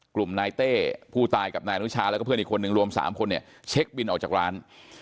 กลุ่มนายเต้ผู้ตายกับนายอนุชาแล้วก็เพื่อนอีกคนนึงรวม๓คนเนี่ยเช็คบินออกจากร้าน